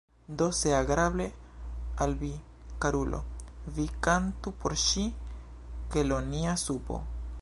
Do, se agrable al vi, karulo, vi kantu por ŝi 'Kelonia Supo’.